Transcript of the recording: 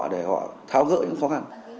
để họ tháo gỡ những khó khăn